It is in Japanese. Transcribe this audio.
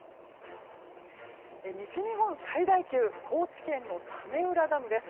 西日本最大級高知県の早明浦ダムです。